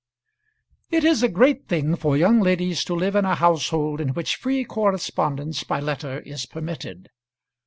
It is a great thing for young ladies to live in a household in which free correspondence by letter is permitted.